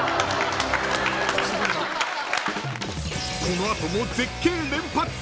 ［この後も絶景連発！］